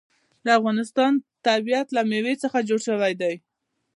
د افغانستان طبیعت له مېوې څخه جوړ شوی دی.